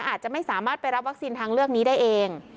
อาจจะไม่สามารถไปรับวัคซีนทางเลือกนี้ได้เอง